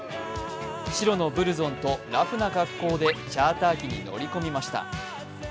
白のブルゾンとラフな格好でチャーター機に乗り込みました。